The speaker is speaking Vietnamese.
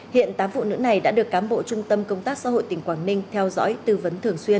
hiện tám phụ nữ này đã được cán bộ trung tâm công tác xã hội tỉnh quảng ninh theo dõi tư vấn thường xuyên